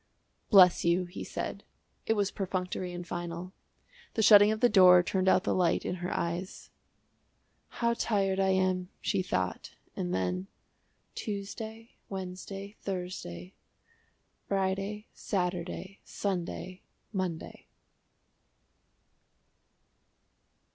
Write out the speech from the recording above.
"Bless you," he said. It was perfunctory and final. The shutting of the door turned out the light in her eyes. "How tired I am!" she thought, and then "Tuesday, Wednesday, Thursday Friday, Saturday, Sunday, Monday."